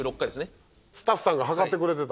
スタッフさんがはかってくれてた。